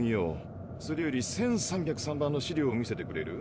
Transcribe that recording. それより１３０３番の資料を見せてくれる？